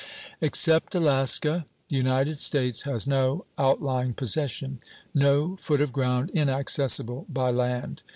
Except Alaska, the United States has no outlying possession, no foot of ground inaccessible by land.